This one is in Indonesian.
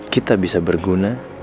kita bisa berguna